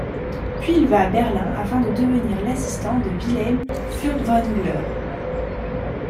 Puis il va à Berlin afin de devenir l'assistant de Wilhelm Furtwängler.